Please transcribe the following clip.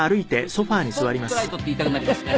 「今週のスポットライト」って言いたくなりますね。